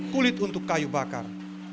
kulit untuk kayu bakar